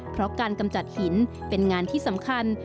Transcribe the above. เพราะการกำจัดหินเป็นงานที่สำคัญ